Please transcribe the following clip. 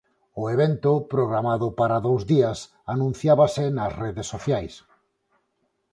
O evento, programado para dous días, anunciábase nas redes sociais.